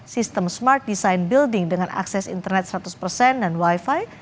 sistem smart design building dengan akses internet seratus persen dan wifi